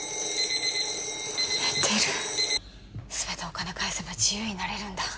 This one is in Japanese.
寝てる全てお金返せば自由になれるんだ